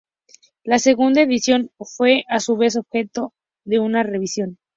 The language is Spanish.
La segunda edición fue a su vez objeto de una revisión.